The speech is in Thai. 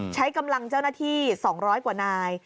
ใช้กำลังเจ้าหน้าที่๒๐๐กว่านาย